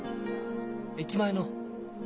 駅前の。